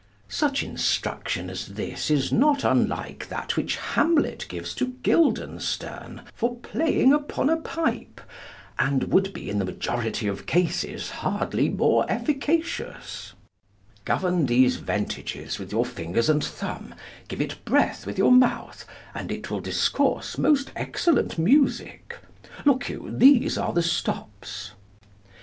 Such instruction as this is not unlike that which Hamlet gives to Guildenstern, for playing upon a pipe, and would be, in the majority of cases, hardly more efficacious: 'Govern these ventages with your fingers and thumb, give it breath with your mouth, and it will discourse most excellent music. Look you, these are the stops.'